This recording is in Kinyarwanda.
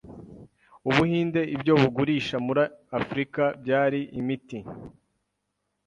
ubuhinde ibyo bugurisha muri africa byari imiti.